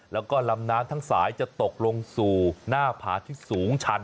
แล้วก็ลำน้ำทั้งสายจะตกลงสู่หน้าผาที่สูงชัน